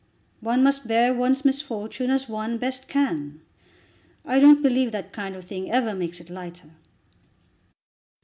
One must bear one's misfortune as one best can. I don't believe that kind of thing ever makes it lighter."